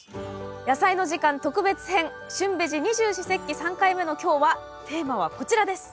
「やさいの時間特別編旬ベジ二十四節気」３回目の今日はテーマはこちらです。